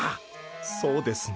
そうですね。